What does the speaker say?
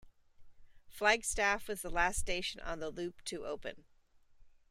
Flagstaff was the last station on the loop to open.